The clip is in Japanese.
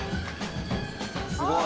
すごい。